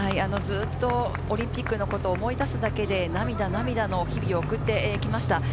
ずっとオリンピックのことを思い出すだけで涙の日々を送ってきました。